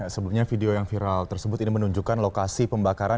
sebelumnya video yang viral tersebut ini menunjukkan lokasi pembakaran